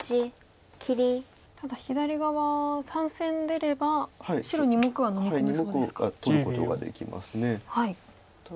ただ左側３線出れば白２目はのみ込めそうですか。